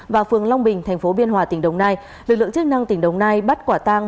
và phường long bình thành phố biên hòa tỉnh đồng nai lực lượng chức năng tỉnh đồng nai bắt quả tang